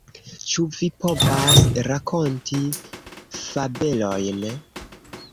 Ĉu vi povas rakonti fabelojn?